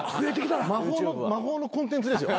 魔法のコンテンツですよ。